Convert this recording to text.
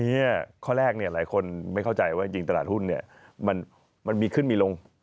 ข้อแรกหลายคนไม่เข้าใจว่าจริงตลาดหุ้นมันมีขึ้นมีลง